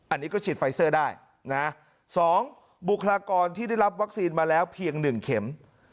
อันนี้ก็ฉีดไฟเซอร์ได้นะ๒บุคลากรที่ได้รับวัคซีนมาแล้วเพียง๑เข็ม